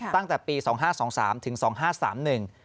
ตั้งแต่ปี๒๕๒๓ถึง๒๕๓๑